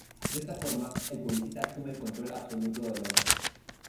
De esta forma, el publicista asume el control absoluto de la obra.